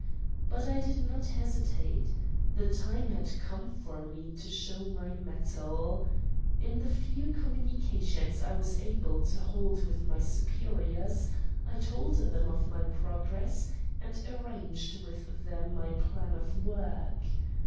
But I did not hesitate. The time had come for me to show my mettle. In the few communications I was enabled to hold with my superiors I told them of my progress and arranged with them my plan of work.